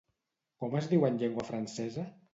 Com es diu en llengua francesa?